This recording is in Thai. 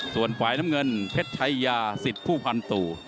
ส่วนฝ่ายน้ำเงินเพชรชายาสิทธิ์ผู้พันตู่